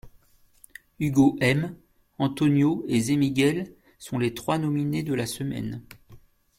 Hugo M, Antonio et Zé Miguel sont les trois nominés de la semaine.